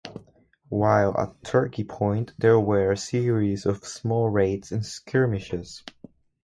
While at Turkey Point there were a series of small raids and skirmishes.